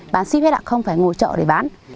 bán ship hết không phải ngồi chợ để bán